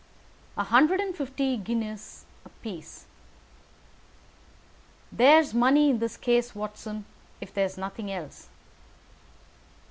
A hundred and fifty guineas apiece. There's money in this case, Watson, if there is nothing else."